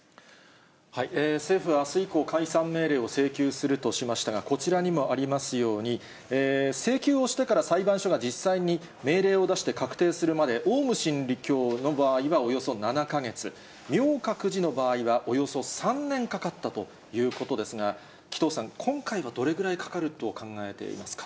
政府はあす以降、解散命令を請求するとしましたが、こちらにもありますように、請求をしてから裁判所が実際に命令を出して確定するまで、オウム真理教の場合はおよそ７か月、明覚寺の場合はおよそ３年かかったということですが、紀藤さん、今回はどれぐらいかかると考えていますか。